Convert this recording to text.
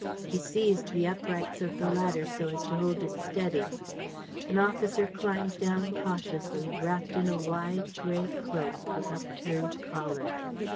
He seized the uprights of the ladder so as to hold it steady. An officer climbed down cautiously, wrapped in a wide gray cloak with upturned collar.